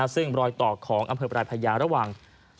ซึ่งรอยต่อของอำเภอปลายพญาระหว่าง